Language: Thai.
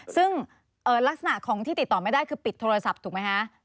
ซึ่งลักษณะของที่ติดต่อไม่ได้คือปิดโทรศัพท์ถูกไหมคะ